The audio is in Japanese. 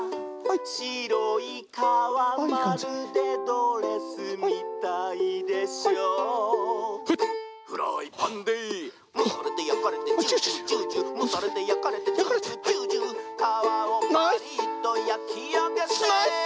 「しろいかわまるでドレスみたいでしょ」「フライパンでむされてやかれてジュージュージュージュー」「むされてやかれてジュージュージュージュー」「かわをパリッとやきあげて」